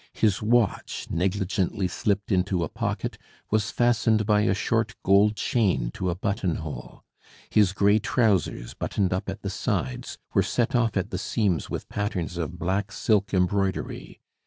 His watch, negligently slipped into a pocket, was fastened by a short gold chain to a buttonhole. His gray trousers, buttoned up at the sides, were set off at the seams with patterns of black silk embroidery.